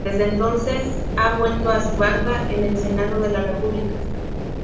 Desde entonces ha vuelto a su banca en el Senado de la República.